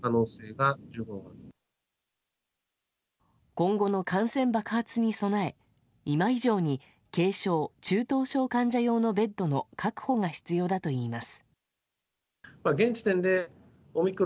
今後の感染爆発に備え今以上に軽症・中等症患者用のベッドの確保が必要だといいます。